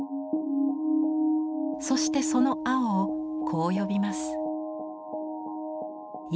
そしてその青をこう呼びます。